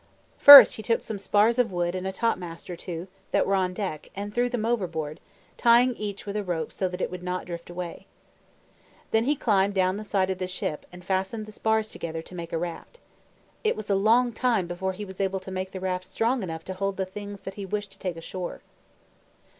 First he took some spars of wood and a topmast or two, that were on the deck, and threw them overboard, tying each with a rope so that it would not drift away. Then he climbed down the side of the ship, and fastened the spars together to make a raft. It was a long time before he was able to make the raft strong enough to hold the things that he wished to take ashore.